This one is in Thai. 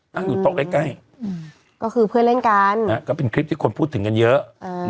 ตั้งอยู่โต๊ะใกล้ก็คือเพื่อนเล่นกันก็เป็นคลิปที่คนพูดถึงกันเยอะ